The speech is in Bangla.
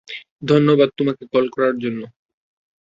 ধন্যবাদ তোমাকে কল করার জন্য!